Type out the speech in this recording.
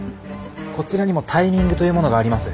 こちらにもタイミングというものがあります。